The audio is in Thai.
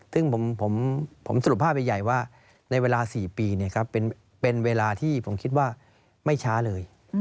ซึ่งผมสรุปภาพใหญ่ว่าในเวลา๔ปีเป็นเวลาที่ผมคิดว่าไม่ช้าเลย